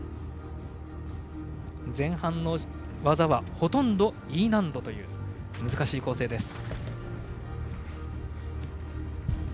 前半の技はほとんどＥ難度という難しい構成です。